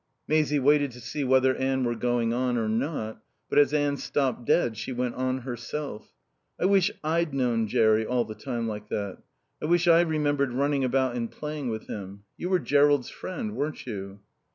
Maisie waited to see whether Anne were going on or not, but as Anne stopped dead she went on herself. "I wish I'd known Jerry all the time like that. I wish I remembered running about and playing with him.... You were Jerrold's friend, weren't you?"